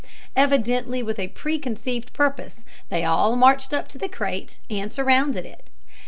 Evidently with a preconceived purpose, they all marched up to the crate and surrounded it.